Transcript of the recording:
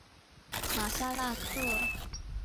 马赛拉克。